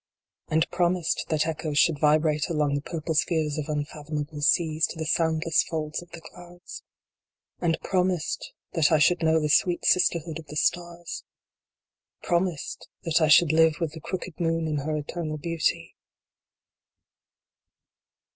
And promised that echoes should vibrate along the pur RESURGAM. x j pie spheres of unfathomable seas, to the soundless folds of the clouds. And promised that I should know the sweet sisterhood of the stars. Promised that I should live with the crooked moon in her eternal beauty.